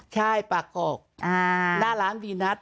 ใช่ปากกกหน้าร้านวีนัท